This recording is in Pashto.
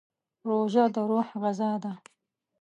روژه د روح غذا ده.